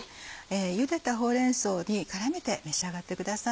ゆでたほうれん草に絡めて召し上がってください。